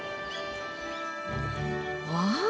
わあ！